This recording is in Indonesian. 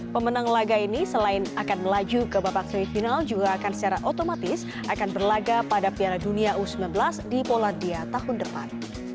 pemenang laga ini selain akan melaju ke babak semifinal juga akan secara otomatis akan berlaga pada piala dunia u sembilan belas di polandia tahun depan